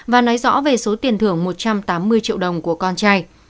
và nói rõ về số tiền thưởng một trăm tám mươi triệu đồng của con trai